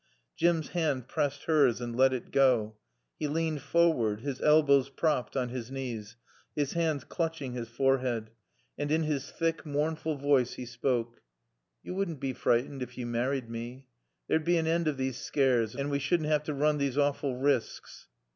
Jim's hand pressed hers and let it go. He leaned forward, his elbows propped on his knees, his hands clutching his forehead. And in his thick, mournful voice he spoke. "Yo wouldn't bae freetened ef yo married mae. There'd bae an and of these scares, an' wae sudn't 'ave t' roon these awful risks."